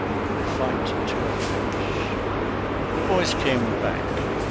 FIGHT TO A FINISH The boys came back.